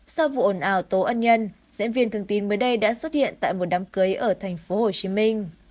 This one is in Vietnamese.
sau vụ ồn ào tố ân nhân diễn viên thường tín mới đây đã xuất hiện tại một đám cưới ở thành phố hồ chí minh